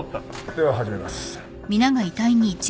では始めます。